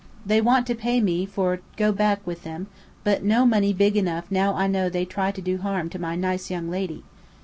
They want to pay me for go back with them, but no money big enough now I know they try to do harm to my nice young lady.